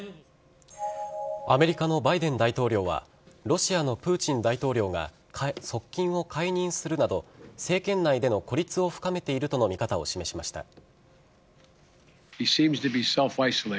アメリカのバイデン大統領はロシアのプーチン大統領が側近を解任するなど政権内での孤立を深めているとの見方を示しました。